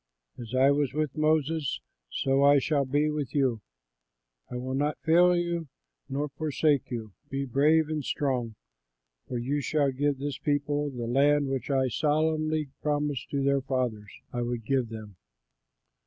As I was with Moses, so I shall be with you: I will not fail you nor forsake you. Be brave and strong, for you shall give this people the land which I solemnly promised their fathers I would give them.